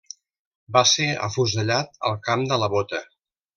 Va ser afusellat al Camp de la Bota.